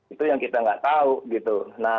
itu yang kita nggak tahu gitu